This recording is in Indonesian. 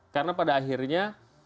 karena pada akhirnya